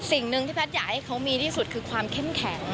สิ่งหนึ่งที่แพทย์อยากให้เขามีที่สุดคือความเข้มแข็ง